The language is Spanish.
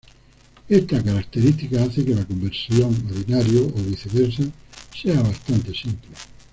Esta característica hace que la conversión a binario o viceversa sea bastante simple.